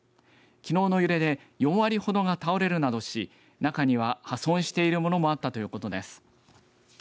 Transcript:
きのうの揺れで４割ほどが倒れるなどし中には破損しているものもあったということです。